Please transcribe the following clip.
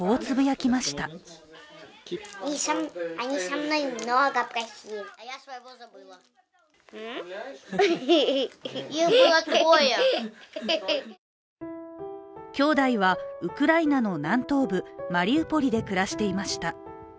きょうだいはウクライナの南東部、マリウポリで暮らしていました。